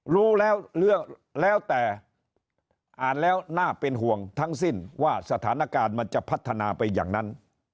รู้แล้วเรื่องแล้วแต่อ่านแล้วน่าเป็นห่วงทั้งสิ้นว่าสถานการณ์มันจะพัฒนาไปอย่างนั้น